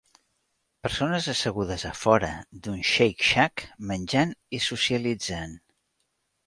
Persones assegudes a fora d'un "Shake Shack" menjant i socialitzant.